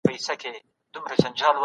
موږ به تل د ملي ګټو لپاره استدلال کاوه.